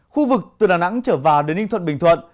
khu vực từ đà nẵng trở vào đến ninh thuận bình thuận